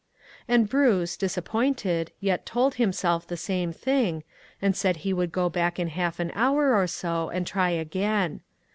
And Bruce, disappointed, yet told him self the same thing, and said he would go back in half an hour or so and try again.